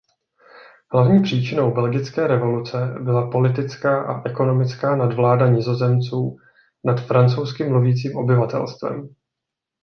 Hlavní příčinou belgické revoluce byla politická a ekonomická nadvláda Nizozemců nad francouzsky mluvícím obyvatelstvem.